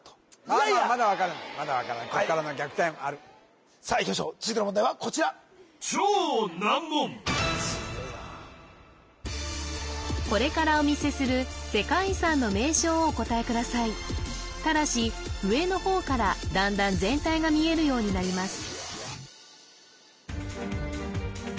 こっからの逆転あるさあいきましょう続いての問題はこちら強いなこれからお見せする世界遺産の名称をお答えくださいただし上の方からだんだん全体が見えるようになります